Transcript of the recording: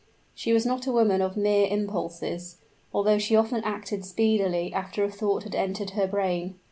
She was not a woman of mere impulses although she often acted speedily after a thought had entered her brain.